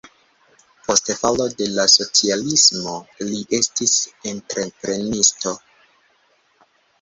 Post falo de la socialismo li estis entreprenisto.